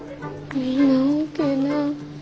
みんな大けぇな。